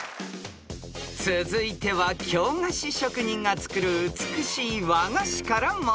［続いては京菓子職人が作る美しい和菓子から問題］